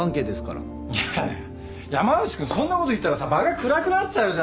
いやいや山内君そんなこと言ったらさ場が暗くなっちゃうじゃない。